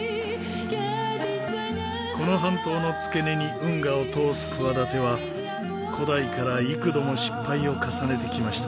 この半島の付け根に運河を通す企ては古代から幾度も失敗を重ねてきました。